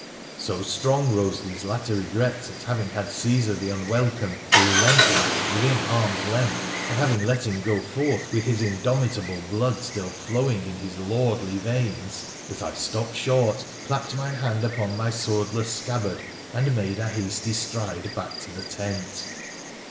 So strong rose these latter regrets at having had Caesar, the unwelcome, the relentless, within arms' length, and having let him go forth with his indomitable blood still flowing in his lordly veins, that I stopped short, clapped my hand upon my swordless scabbard, and made a hasty stride back to the tent.